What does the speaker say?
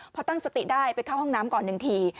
พอตั้งสติได้ไปเข้าห้องน้ำก่อนหนึ่งที